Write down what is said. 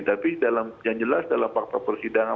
tapi yang jelas dalam fakta persidangan